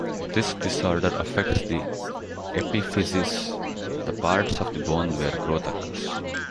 This disorder affects the epiphyses, the parts of the bone where growth occurs.